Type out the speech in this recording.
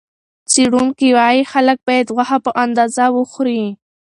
څېړونکي وايي، خلک باید غوښه په اندازه وخوري.